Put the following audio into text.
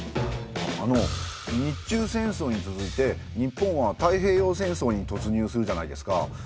あの日中戦争に続いて日本は太平洋戦争に突入するじゃないですか。